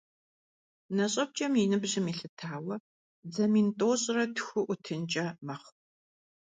НэщIэпкIэм и ныбжьым елъытауэ, дзэ мин тIощIрэ тху IутынкIэ мэхъу.